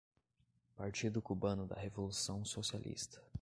Partido Cubano da Revolução Socialista